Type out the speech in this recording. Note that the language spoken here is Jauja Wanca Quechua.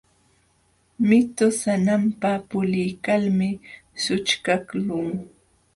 Mitu sananpa puliykalmi sućhkaqlun.